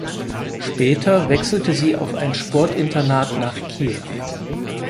Später wechselte sie auf ein Sportinternat nach Kiew.